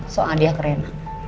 soalnya dia keren